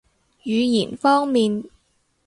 語言方面